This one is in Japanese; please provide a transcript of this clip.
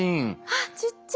あっちっちゃい。